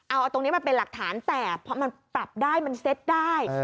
เอาตรงนี้มาเป็นหลักฐานแต่พอมันปรับได้มันเซ็ตได้